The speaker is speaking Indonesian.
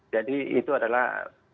jadi itu adalah